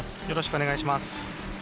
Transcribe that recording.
よろしくお願いします。